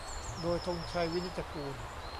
โดย ธงชัย วินิจจะกูล